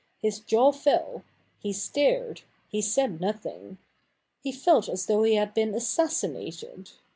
His jaw fell — he stared — he said nothing. He felt as though he had been assassinated.